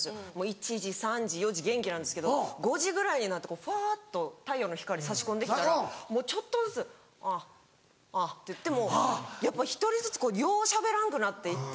１時３時４時元気なんですけど５時ぐらいになってふわっと太陽の光差し込んできたらちょっとずつ「ああ」って言ってもうやっぱ１人ずつようしゃべらんくなっていって。